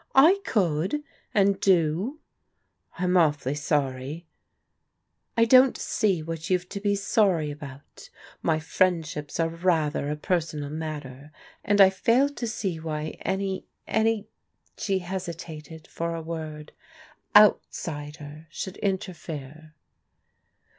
I could, and do I I'm awfully sorryj "I don't see what you've to be sorry about My friendships are rather a personal matter, and I fail to see why any — ^any" — she hesitated for a word — "outsider should interfere."